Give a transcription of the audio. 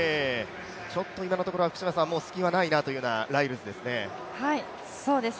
ちょっと今のところは隙はないなというライルズですね。